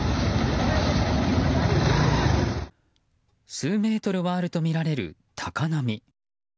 数メートルはあるとみられる高波。